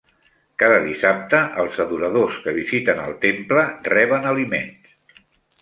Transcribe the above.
Cada dissabte, els adoradors que visiten el temple reben aliments.